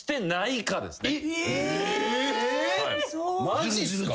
マジっすか！？